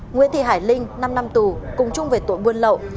nguyễn thị hải linh năm năm tù cùng chung về tội buôn lậu